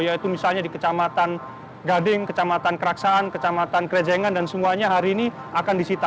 yaitu misalnya di kecamatan gading kecamatan keraksaan kecamatan kerejengan dan semuanya hari ini akan disita